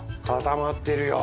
固まってるよ。